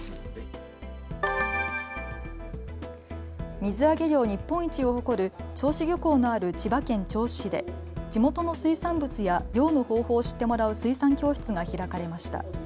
水揚げ量日本一を誇る銚子漁港のある千葉県銚子市で地元の水産物や漁の方法を知ってもらう水産教室が開かれました。